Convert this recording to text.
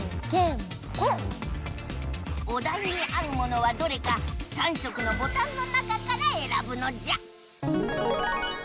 おだいに合うものはどれか３色のボタンの中からえらぶのじゃ！